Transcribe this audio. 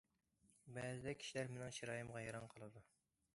بەزىدە كىشىلەر مېنىڭ چىرايىمغا ھەيران قالىدۇ.